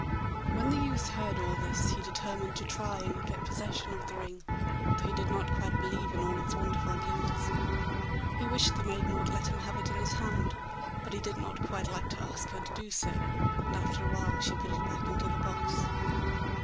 When the youth heard all this he determined to try and get possession of the ring, though he did not quite believe in all its wonderful gifts. He wished the maiden would let him have it in his hand, but he did not quite like to ask her to do so, and after a while she put it back into the box.